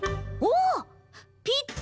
おぴったり！